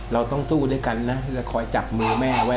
เราต้องสู้ด้วยกันนะจะคอยจับมือแม่ไว้